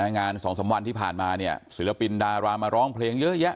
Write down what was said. งานสองสามวันที่ผ่านมาศิลปินดารามาร้องเพลงเยอะแยะ